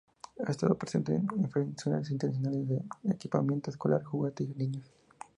Ha estado presente en ferias nacionales e internacionales de equipamiento escolar, juguete y niños.